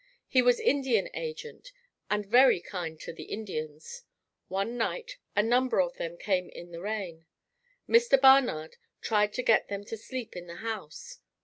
He was Indian agent and very kind to the Indians. One night a number of them came in the rain. Mr. Barnard tried to get them to sleep in the house.